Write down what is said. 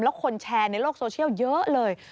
แล้วคนแชร์ในโลกโซเชียลเยอะเลย